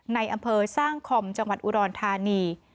ในอำเภอสร้างคอมจังหวัดอุดรธานี